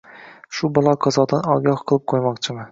shu balo-qazodan ogoh qilib qo‘ymoqchiman